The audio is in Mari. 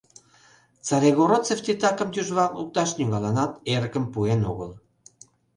Царегородцев титакым тӱжвак лукташ нигӧланат эрыкым пуэн огыл.